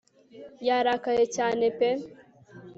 yarakaye cyane pe